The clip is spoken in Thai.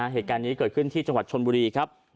เหตุการณ์นี้เกิดขึ้นที่จังหวัดชนบุรีครับ